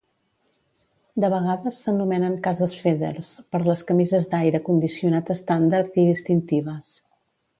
De vegades s'anomenen "cases Fedders" per les camises d'aire condicionat estàndard i distintives.